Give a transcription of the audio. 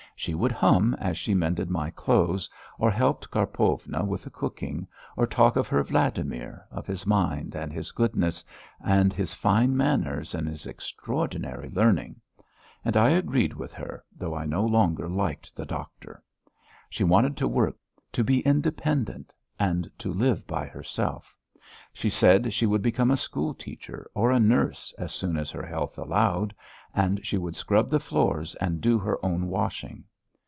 She would hum as she mended my clothes or helped Karpovna with the cooking, or talk of her Vladimir, of his mind, and his goodness, and his fine manners, and his extraordinary learning. And I agreed with her, though I no longer liked the doctor. She wanted to work, to be independent, and to live by herself, and she said she would become a school teacher or a nurse as soon as her health allowed, and she would scrub the floors and do her own washing.